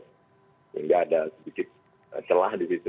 sehingga ada sedikit celah di situ